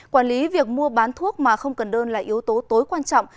quản lý việc mua bán thuốc mà không cần đơn là yếu tố tối quan trọng